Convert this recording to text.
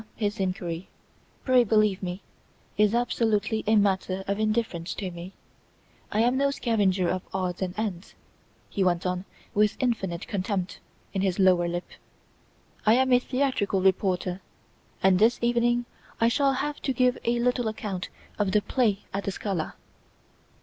his inquiry, pray believe me, is absolutely a matter of indifference to me. I am no scavenger of odds and ends," he went on, with infinite contempt in his lower lip, "I am a theatrical reporter; and this evening I shall have to give a little account of the play at the Scala."